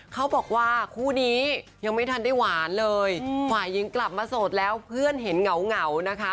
เขาบอกว่าคู่นี้ยังไม่ทันได้หวานเลยฝ่ายหญิงกลับมาโสดแล้วเพื่อนเห็นเหงาเหงานะคะ